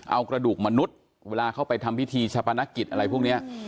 เอากระดูกมนุษย์เวลาเข้าไปทำพิธีชะพนักกิจอะไรพวกนี้